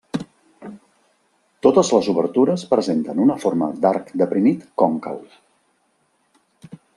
Totes les obertures presenten una forma d'arc deprimit còncau.